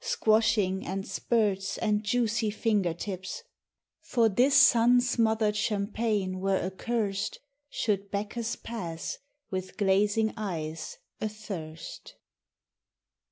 Squashing and spirts and juicy finger tips ! For this sun smothered champaign were accurst. Should Bacchus pass, with glazing eyes, athirst.